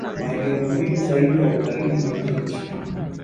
Maeneo muhimu zaidi ya utalii ni miji